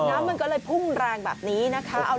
น้ำมันก็เลยพุ่งแรงแบบนี้นะคะ